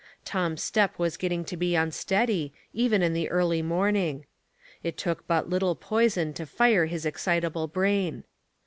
Tom's step wag getting to be unsteadjs even in the early morn ing. It took but little poison to fire his excita ble brain.